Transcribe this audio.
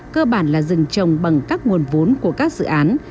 cơ bản là rừng trồng bằng các nguồn vốn của các dự án